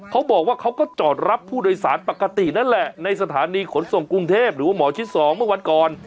เขาบอกว่าเขาก็จอดรับผู้โดยสารปกตินั่นแหละในสถานีขนส่งกรุงเทพหรือว่าหมอชิด๒เมื่อวันก่อน